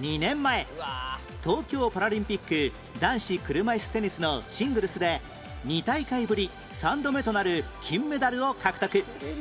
２年前東京パラリンピック男子車いすテニスのシングルスで２大会ぶり３度目となる金メダルを獲得